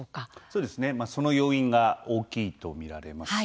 そうですね、その要因が大きいと見られます。